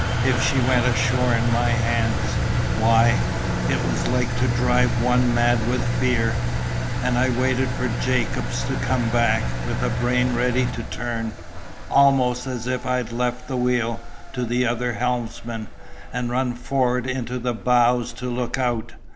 "If she went ashore in my hands! why, it was like to drive one mad with fear; and I waited for Jacobs to come back, with a brain ready to turn, almost as if I'd left the wheel to the other helmsman, and run forward into the bows to look out.